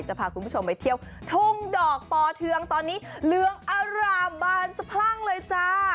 จะพาคุณผู้ชมไปเที่ยวทุ่งดอกปอเทืองตอนนี้เหลืองอร่ามบานสะพรั่งเลยจ้า